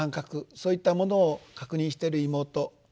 そういったものを確認している妹。